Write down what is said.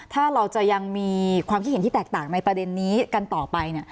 ถ้าเราจะยังมีความคิดเห็นที่แตกต่างในประเด็นนี้กันต่อไป